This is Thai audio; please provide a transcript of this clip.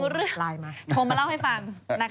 โทรมาเล่าให้ฟัง